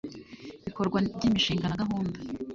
bikorwa ry imishinga na gahunda